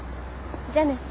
じゃあね。